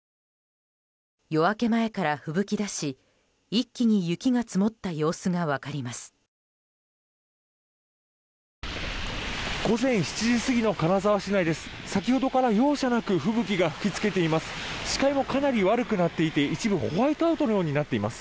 夜明け前からふぶきだし一気に雪が積もった様子が分かります。